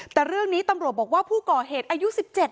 แต่เรื่องนี้ตำรวจบอกว่าผู้ก่อเหตุอายุ๑๗